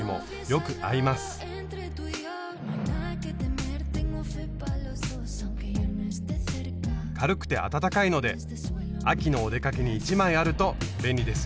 軽くて暖かいので秋のお出かけに１枚あると便利ですよ。